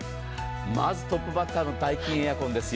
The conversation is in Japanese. まずトップバッターのダイキンエアコンです。